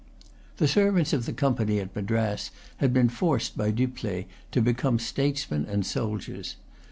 The servants of the Company at Madras had been forced by Dupleix to become statesmen and soldiers.